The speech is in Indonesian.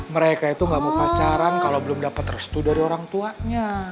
mereka itu gak mau pacaran kalau belum dapat restu dari orang tuanya